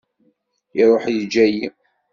Iruḥ yeǧǧa-i.